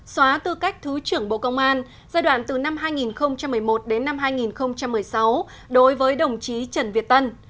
xóa tư cách thứ trưởng bộ công an giai đoạn từ năm hai nghìn một mươi một đến năm hai nghìn một mươi sáu đối với đồng chí trần việt tân